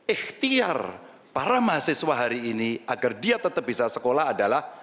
ikhtiar para mahasiswa hari ini agar dia tetap bisa sekolah adalah